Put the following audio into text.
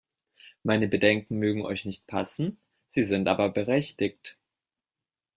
Meine Bedenken mögen euch nicht passen, sie sind aber berechtigt!